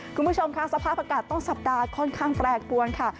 คุณผู้ชมค่ะสภาพอากาศต้นสัปดาห์ค่อนข้างแปรปวนค่ะ